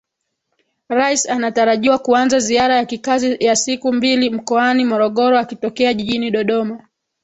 Rais anatarajiwa kuanza ziara ya kikazi ya siku mbili Mkoani Morogoro akitokea Jijini Dodoma